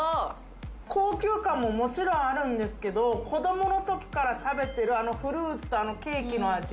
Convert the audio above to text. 高級感ももちろんあるんですけど、子供の時から食べてるあのフルーツとケーキの味。